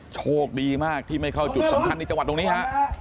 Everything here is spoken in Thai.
โชคดีมากที่ไม่เข้าจุดสำคัญในจังหวัดตรงนี้ฮะ